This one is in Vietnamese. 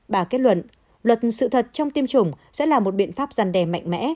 bà kết luận luật sự thật trong tiêm chủng sẽ là một biện pháp rằn đè mạnh mẽ